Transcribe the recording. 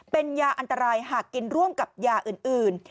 เป็นยาอันตรายหากกินร่วมกับยาอื่น